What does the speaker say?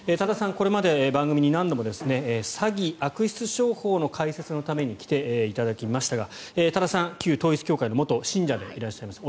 これまで番組に何度も詐欺、悪質商法の解説のために来ていただきましたが多田さん、旧統一教会の元信者でいらっしゃいます。